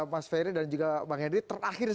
mas ferry dan juga bang henry terakhir